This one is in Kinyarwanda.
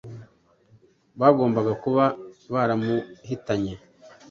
bagombaga kuba baramuhitanye.